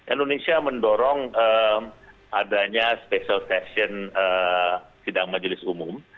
indonesia mendorong adanya special session sidang majelis umum